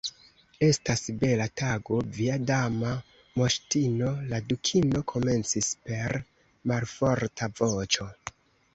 "Estas bela tago, via Dama Moŝtino," la Dukino komencis per malforta voĉo.